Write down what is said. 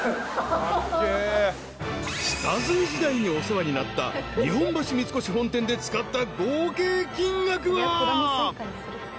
［下積み時代お世話になった日本橋三越本店で使った合計金額は］